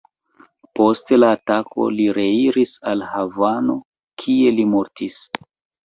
Post la atako, li reiris al Havano, kie li mortis.